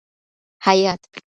حیات